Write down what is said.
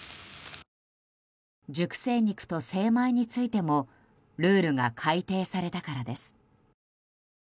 熟成肉と精米についてもルールが改定されたからです。